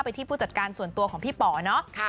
ที่ผู้จัดการส่วนตัวของพี่ป๋อเนอะ